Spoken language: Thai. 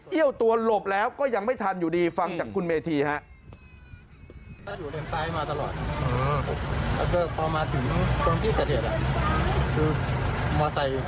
ี้ยวตัวหลบแล้วก็ยังไม่ทันอยู่ดีฟังจากคุณเมธีฮะ